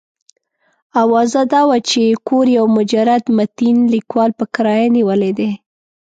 اوازه دا وه چې کور یو مجرد متین لیکوال په کرایه نیولی دی.